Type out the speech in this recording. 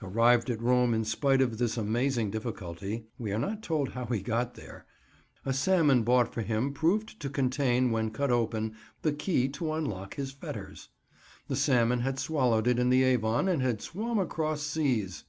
Arrived at Rome in spite of this amazing difficulty (we are not told how he got there!), a salmon bought for him proved to contain, when cut open, the key to unlock his fetters. The salmon had swallowed it in the Avon and had swum across seas!